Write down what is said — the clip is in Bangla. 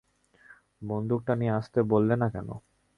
বন্দুকটা নিয়ে আসতে বললে না কেন?